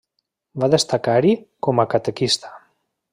Va destacar-hi com a catequista.